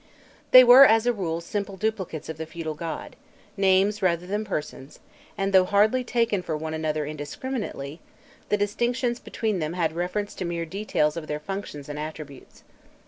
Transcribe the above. [Illustration: 198.jpg KHOPRI, IN HIS BARK] They were as a rule simple duplicates of the feudal god, names rather than persons, and though hardly taken for one another indiscriminately, the distinctions between them had reference to mere details of their functions and attributes.